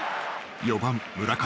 ４番村上。